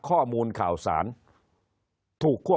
คนในวงการสื่อ๓๐องค์กร